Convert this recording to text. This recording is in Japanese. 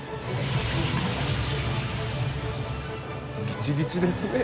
ぎちぎちですね。